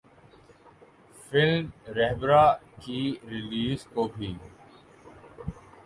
film ’Rahbara‘ کی release کو بھی